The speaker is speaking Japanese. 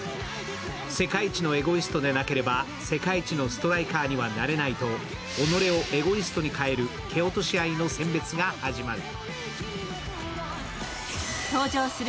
世界一のエゴイストでなければ世界一のストライカーにはなれないと己をエゴイストに変える蹴落とし合いの選別が始まる。